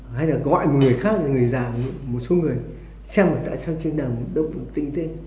hay là gọi người khác người già một số người xem tại sao trên đường đông tinh tên